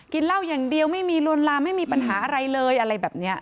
กินเหล้าอย่างเดียวไม่มีลวนลามไม่มีปัญหาอะไรเลยอะไรแบบนี้